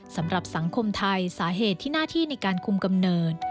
สำหรับสังคมไทยสาเหตุที่หน้าที่ในการคุมกำเนิด